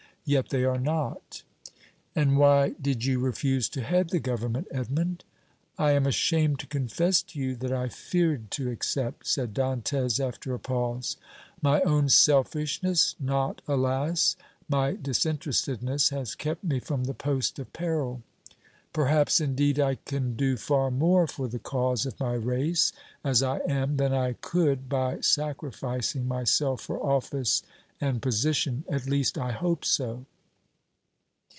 Yet they are not!" "And why did you refuse to head the Government, Edmond?" "I am ashamed to confess to you that I feared to accept," said Dantès after a pause. "My own selfishness, not, alas! my disinterestedness, has kept me from the post of peril. Perhaps, indeed, I can do far more for the cause of my race as I am than I could by sacrificing myself for office and position; at least, I hope so."